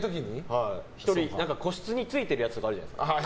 個室についてるやつがあるじゃないですか。